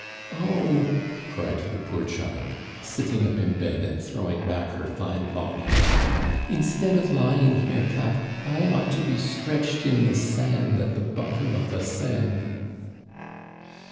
"Oh!" cried the poor child, sitting up in bed and throwing back her fine long hair, "instead of lying here, Katt, I ought to be stretched in the sand at the bottom of the Seine!"